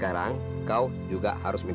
barangkali akan naik